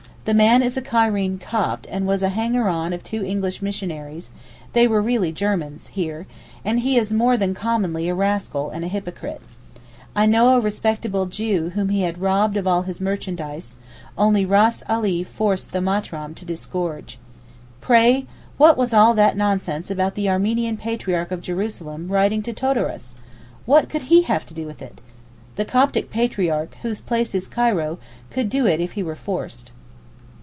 The man is a Cairene Copt and was a hanger on of two English missionaries (they were really Germans) here, and he is more than commonly a rascal and a hypocrite. I know a respectable Jew whom he had robbed of all his merchandise, only Ras Alee forced the Matraam to disgorge. Pray what was all that nonsense about the Armenian Patriarch of Jerusalem writing to Todoros? what could he have to do with it? The Coptic Patriarch, whose place is Cairo, could do it if he were forced.